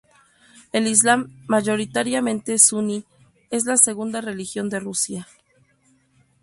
El Islam, mayoritariamente sunní, es la segunda religión de Rusia.